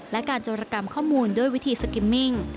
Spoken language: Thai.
และการจรกรรมข้อมูลด้วยวิธีสกิมมิ่ง